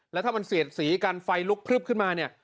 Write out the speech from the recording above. แล้วถ้ามันเสียดสีกันไฟลุกพลึบขึ้นมาเนี่ย